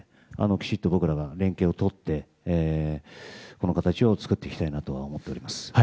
きちんと僕らが連携を取ってこの形を作っていきたいと思っております。